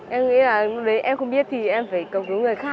em nghĩ là lúc đấy em không biết thì em phải cầu cứu người khác